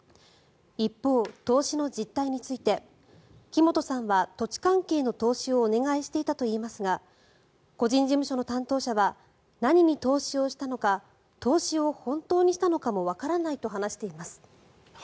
一方、投資の実態について木本さんは土地関係の投資をお願いしていたといいますが個人事務所の担当者は何に投資をしたのか投資を本当にしたのかもわからないと話しています。